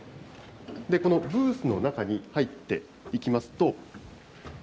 このブースの中に入っていきますと。